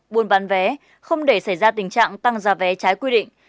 buôn bán vé không để xảy ra tình trạng tăng giá vé trái quy định